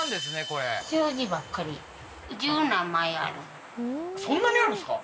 これそんなにあるんですか？